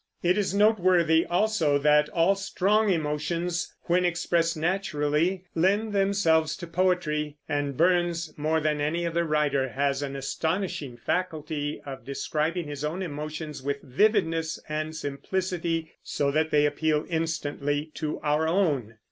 It is noteworthy also that all strong emotions, when expressed naturally, lend themselves to poetry; and Burns, more than any other writer, has an astonishing faculty of describing his own emotions with vividness and simplicity, so that they appeal instantly to our own.